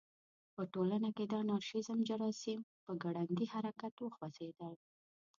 په ټولنه کې د انارشیزم جراثیم په ګړندي حرکت وخوځېدل.